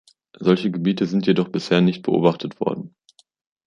Solche Gebiete sind jedoch bisher nicht beobachtet worden.